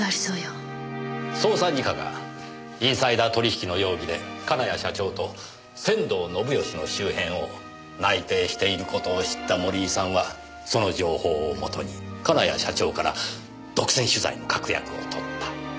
捜査二課がインサイダー取引の容疑で金谷社長と仙道信義の周辺を内偵している事を知った森井さんはその情報をもとに金谷社長から独占取材の確約を取った。